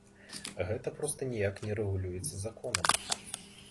Гэта проста ніяк не рэгулюецца законам.